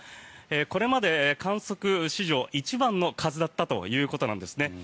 これまで観測史上一番の風だったということなんですね。